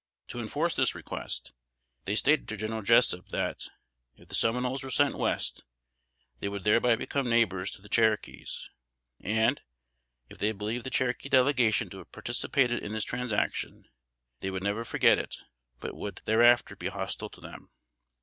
To enforce this request, they stated to General Jessup that, if the Seminoles were sent West, they would thereby become neighbors to the Cherokees, and, if they believed the Cherokee Delegation to have participated in this transaction, they would never forget it, but would thereafter be hostile to them.